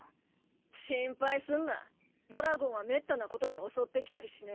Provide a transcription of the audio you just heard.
心配すんなドラゴンはめったなことじゃ襲ってきたりしねえ。